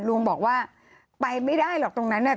ลุงบอกว่าไปไม่ได้หรอกตรงนั้นน่ะ